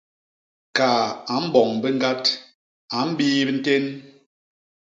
Kaa a mboñ biñgat, a mbiip ntén!